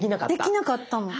できなかったの。